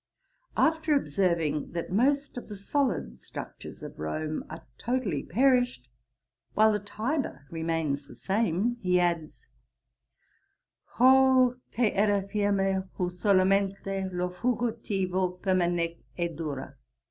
After observing that most of the solid structures of Rome are totally perished, while the Tiber remains the same, he adds, 'Lo que èra Firme huió solamente, Lo Fugitivo permanece y dura.'